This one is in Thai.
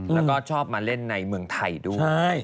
แล้วก็ชอบมาเล่นในเมืองไทยด้วย